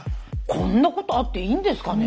こんなことあっていいんですかね。